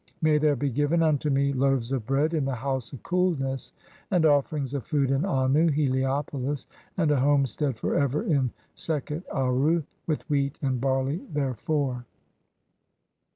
May there be given unto me "(16) loaves of bread in the house of coolness, and (17) offerings "of food in Annu (Heliopolis), and a homestead (18) for ever "in Sekhet Aru s with wheat and barley therefor."